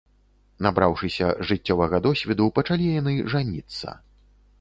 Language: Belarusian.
Набраўшыся жыццёвага досведу, пачалі яны жаніцца.